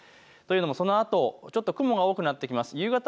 というのも、そのあとちょっと雲が多くなってきます。